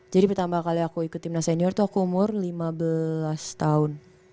jadi pertama kali aku ikut timnas senior tuh aku umur lima belas tahun